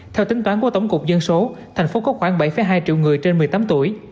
theo tính toán của tổng cục dân số thành phố có khoảng bảy hai triệu người trên một mươi tám tuổi